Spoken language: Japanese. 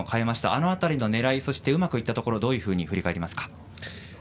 あの辺りの狙いうまくいったところどう振り返りますか？